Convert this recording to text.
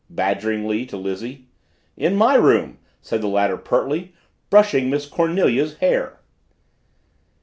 badgeringly, to Lizzie. "In my room," said the latter pertly, "brushing Miss Cornelia's hair."